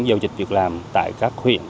giao dịch việc làm tại các huyện